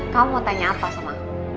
kamu mau tanya apa sama